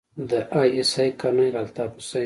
د آى اس آى کرنيل الطاف حسين.